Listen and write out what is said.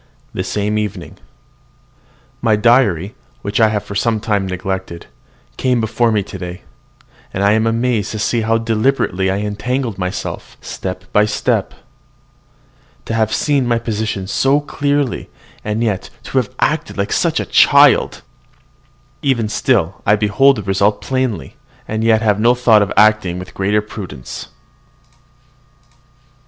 THE SAME EVENING. My diary, which I have for some time neglected, came before me today; and I am amazed to see how deliberately I have entangled myself step by step. To have seen my position so clearly, and yet to have acted so like a child! Even still I behold the result plainly, and yet have no thought of acting with greater prudence.